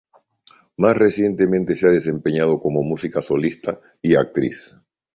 Más recientemente se ha desempeñado como música solista y actriz.